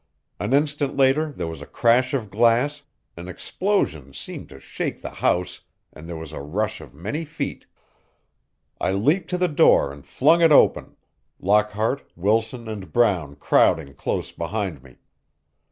An instant later there was a crash of glass, an explosion seemed to shake the house, and there was a rush of many feet. I leaped to the door and flung it open, Lockhart, Wilson and Brown crowding close behind me.